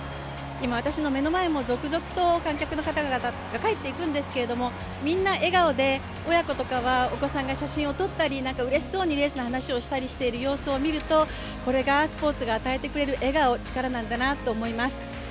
今、私の目の前も続々と観客の方々が帰っていくんですが、みんな笑顔で、親子とかはお子さんが写真を撮ったり、うれしそうにレースの話をしたりしている様子を見るとこれがスポーツが与えてくれる笑顔、力なんだなと思います。